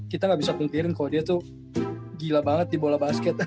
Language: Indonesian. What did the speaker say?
kita gak bisa pungkirin kalau dia tuh gila banget di bola basket